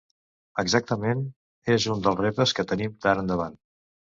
Exactament, és un dels reptes que tenim d’ara endavant.